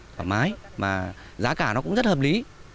thoải mái mà giá cả nó cũng rất hợp lý